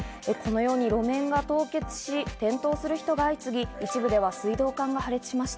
路面が凍結し、転倒する人が相次ぎ、一部では水道管が破裂しました。